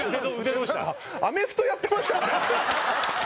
アメフトやってましたっけ？